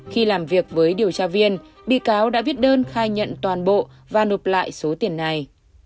khi làm việc với điều tra viên bị cáo đã viết đơn khai nhận toàn bộ và nộp lại số tiền này